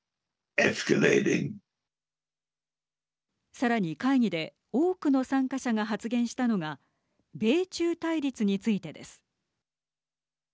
さらに会議で多くの参加者が発言したのが米中対立についてです。